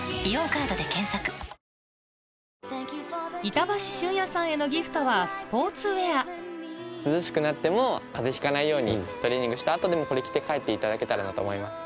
板橋駿谷さんへのギフトはスポーツウェア涼しくなっても風邪ひかないようにトレーニングした後でもこれ着て帰っていただけたらなと思います。